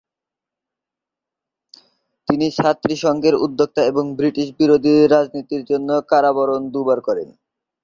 তিনি ছাত্রী সংঘের উদ্যোক্তা এবং ব্রিটিশ বিরোধী রাজনীতির জন্য কারাবরণ দু'বার করেন।